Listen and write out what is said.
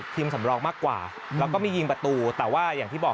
สำรองมากกว่าแล้วก็มียิงประตูแต่ว่าอย่างที่บอก